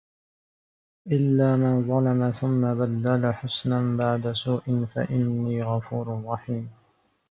إِلّا مَن ظَلَمَ ثُمَّ بَدَّلَ حُسنًا بَعدَ سوءٍ فَإِنّي غَفورٌ رَحيمٌ